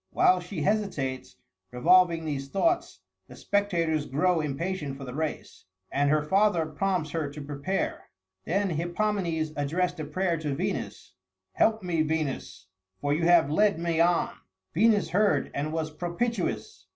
While she hesitates, revolving these thoughts, the spectators grow impatient for the race, and her father prompts her to prepare. Then Hippomenes addressed a prayer to Venus: "Help me, Venus, for you have led me on." Venus heard and was propitious.